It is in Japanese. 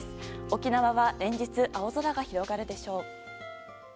沖縄は連日青空が広がるでしょう。